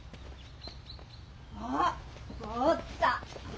あっおった。